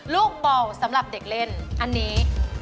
ลูกเบาสำหรับเด็กเล่นอันนี้